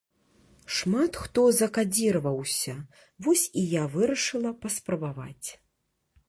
Шмат хто закадзіраваўся, вось і я вырашыла паспрабаваць.